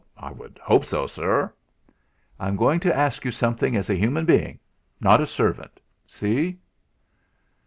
"I would hope so, sirr." "I'm going to ask you something as a human being not a servant see?"